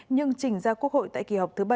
nhưng trình ra quốc hội tại kỳ họp thứ bảy